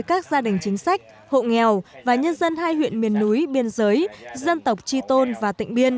các gia đình chính sách hộ nghèo và nhân dân hai huyện miền núi biên giới dân tộc chi tôn và tỉnh biên